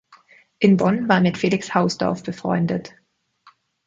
In Bonn war er mit Felix Hausdorff befreundet.